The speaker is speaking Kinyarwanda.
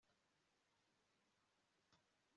cyangwa undi uteganywa n amategeko